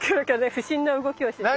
不審な動きをしてしまう。